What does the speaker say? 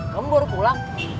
kamu baru pulang